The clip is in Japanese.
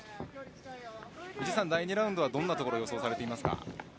藤井さん、第２ラウンドはどんな予想をされていますか？